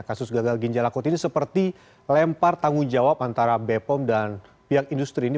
kasus gagal ginjal akut ini seperti lempar tanggung jawab antara bepom dan pihak industri ini